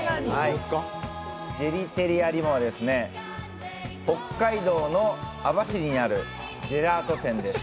ジェラテリアＲｉｍｏは北海道の網走にあるジェラート店です。